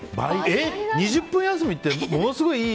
２０分休みってものすごいいい